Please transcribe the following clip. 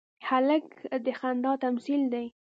هلک د خندا تمثیل دی.